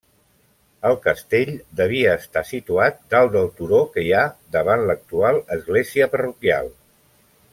El castell devia estar situat dalt del turó que hi ha davant l'actual església parroquial.